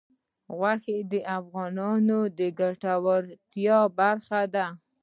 غوښې د افغانانو د ګټورتیا برخه ده.